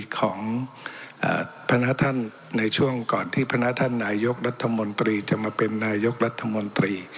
ของพนักท่านในช่วงก่อนที่พนักท่านนายกรัฐมนตรีจะมาเป็นนายกรัฐมนตรี